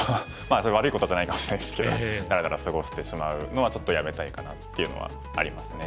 それは悪いことじゃないかもしれないですけどだらだら過ごしてしまうのはちょっとやめたいかなっていうのはありますね。